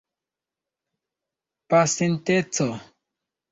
pasinteco